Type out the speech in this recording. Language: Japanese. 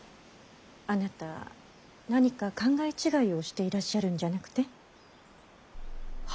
あなた何か考え違いをしていらっしゃるんじゃなくて？は？